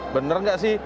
bener nggak sih